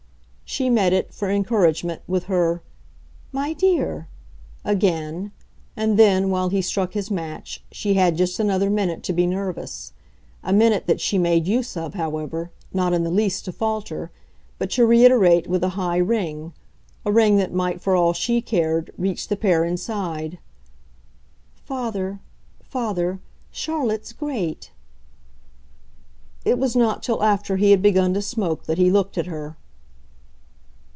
She met it, for encouragement, with her "My dear!" again, and then, while he struck his match, she had just another minute to be nervous a minute that she made use of, however, not in the least to falter, but to reiterate with a high ring, a ring that might, for all she cared, reach the pair inside: "Father, father Charlotte's great!" It was not till after he had begun to smoke that he looked at her.